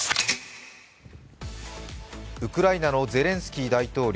ウクライナのゼレンスキー大統領。